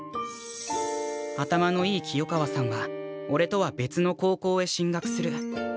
頭のいい清川さんはおれとは別の高校へ進学する。